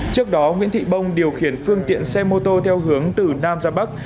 trước đó nguyễn thị bông điều khiển phương tiện xe mô tô theo hướng từ nam ra bắc